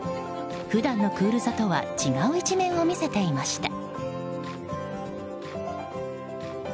普段のクールさとは違う一面を見せていました。